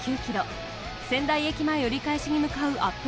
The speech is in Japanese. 仙台駅前折り返しに向かうアップ